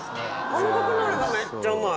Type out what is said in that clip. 韓国のりがめっちゃうまい。